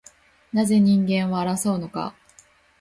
なぜ人間は争うのか